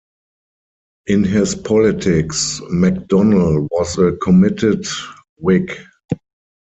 In his politics McDonnell was a committed Whig.